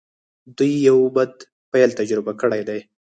دوی يو بد پيل تجربه کړی دی.